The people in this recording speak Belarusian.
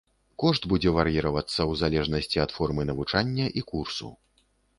Кошт будзе вар'іравацца ў залежнасці ад формы навучання і курсу.